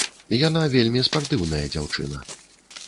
Яна вельмі спартыўная дзяўчына.